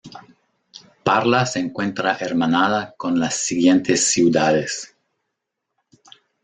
Parla se encuentra hermanada con las siguientes ciudades.